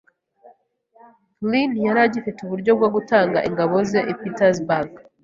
Lee ntiyari agifite uburyo bwo gutanga ingabo ze i Petersburg.